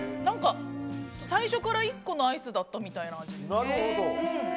最初から１個のアイスだったみたいな味です。